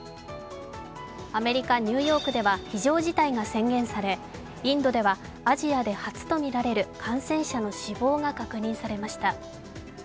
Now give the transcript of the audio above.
アメリカ・ニューヨークでは非常事態が宣言されインドではアジアで初とみられる感染者の死亡が確認されました。